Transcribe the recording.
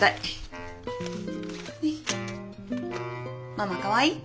ママかわいい？